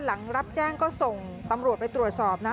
หลังรับแจ้งก็ส่งตำรวจไปตรวจสอบนะ